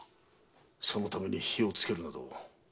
そのために火をつけるなど。